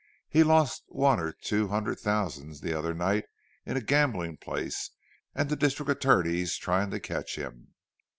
He lost one or two hundred thousand the other night in a gambling place, and the district attorney's trying to catch him."